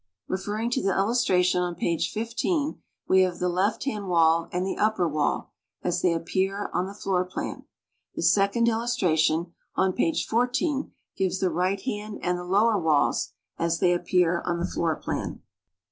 Referring to the illustration on page 1.5, we have the left hand wall and the ujjijer wall (as they appear on the floor plan). The second illustration, on page 14 gives the right hand and the lower walls (as they appear on the floor plan).